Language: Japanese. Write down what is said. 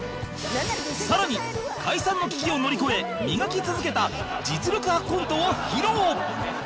さらに解散の危機を乗り越え磨き続けた実力派コントを披露！